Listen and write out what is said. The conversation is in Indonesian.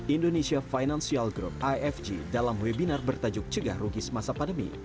indonesia financial group ifg dalam webinar bertajuk cegah rugi semasa pandemi